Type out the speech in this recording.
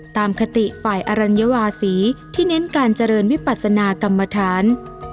คติฝ่ายอรัญวาศีที่เน้นการเจริญวิปัสนากรรมฐาน